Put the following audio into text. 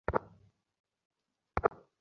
Plumber, সংযোগ দিতে যাচ্ছে।